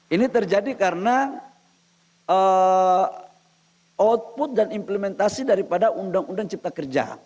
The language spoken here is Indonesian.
ini terjadi karena output dan implementasi daripada undang undang cipta kerja